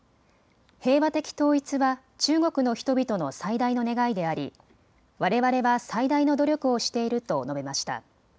平和的統一は中国の人々の最大の願いであり、われわれは最大の努力をしていると述べました。